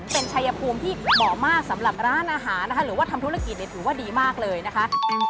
เป็นชายภูมิที่เหมาะมากสำหรับร้านอาหารนะคะหรือว่าทำธุรกิจเนี่ยถือว่าดีมากเลยนะคะ